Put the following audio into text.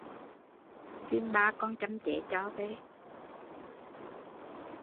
Xin ba con châm chế cho